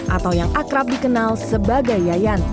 atau yang akrab dikenal sebagai yayan